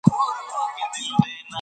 موږ بايد ځان ثابت کړو.